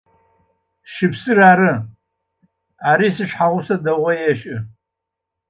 Щыпсыр ары. Ари сшъхьэусэ дэгъу ешӏы.